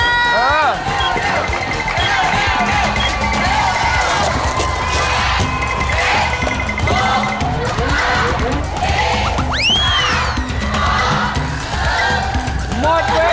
เฮ้ยเก่งจังเลย